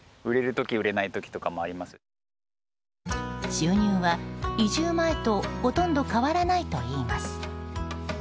収入は移住前とほとんど変わらないといいます。